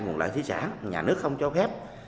nguồn loại hải sản nhà nước không cho phép